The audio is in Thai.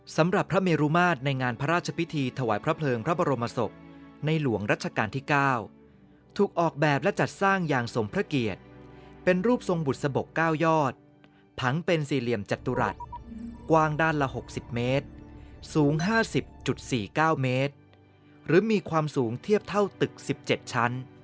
สำหรับพระเมรุมาตรในงานพระราชพิธีถวายพระเพลิงพระบรมศพในหลวงรัชกาลที่๙ถูกออกแบบและจัดสร้างอย่างสมพระเกียรติเป็นรูปทรงบุษบก๙ยอดผังเป็นสี่เหลี่ยมจตุรัสกว้างด้านละ๖๐เมตรสูง๕๐๔๙เมตรหรือมีความสูงเทียบเท่าตึก๑๗ชั้น